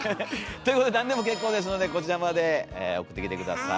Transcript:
ということで何でも結構ですのでこちらまで送ってきて下さい。